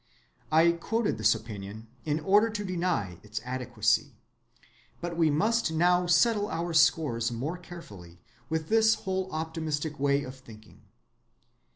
I quoted this opinion in order to deny its adequacy. But we must now settle our scores more carefully with this whole optimistic way of thinking.